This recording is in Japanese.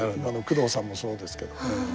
工藤さんもそうですけど。